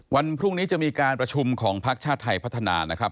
วันพรุ่งนี้จะมีการประชุมของพักชาติไทยพัฒนานะครับ